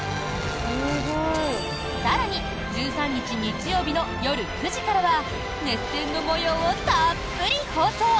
更に１３日日曜日の夜９時からは熱戦の模様をたっぷり放送！